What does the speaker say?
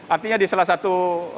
artinya di salah satu